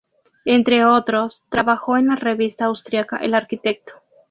Entre otros, trabajó en la revista austríaca "El Arquitecto".